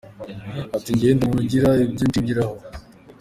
Ati “Njyewe ndi umuntu ugira ibyo nshingiraho.